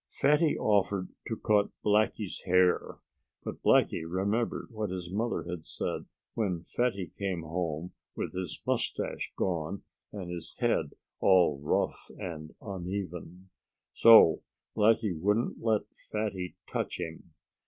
Fatty offered to cut Blackie's hair. But Blackie remembered what his mother had said when Fatty came home with his moustache gone and his head all rough and uneven. So Blackie wouldn't let Fatty touch him.